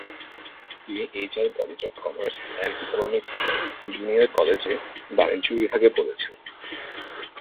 তিনি HR college of commerce and ইকোনমিক্স-এর junior কলেজে বাণিজ্য বিভাগে পড়েছেন।